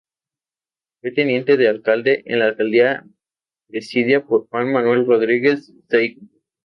Fue teniente de alcalde en la alcaldía presidida por Juan Manuel Rodríguez Seijo.